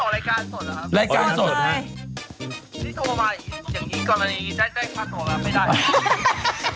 นี่โทรมาอย่างนี้ก่อนมานี้ไอย่งงี้